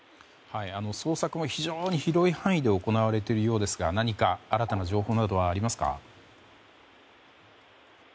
捜索は非常に広い範囲で行われているようですが何か新たな情報などはありますか？